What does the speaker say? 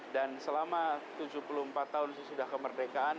dan selama tujuh puluh empat tahun sudah kemerdekaan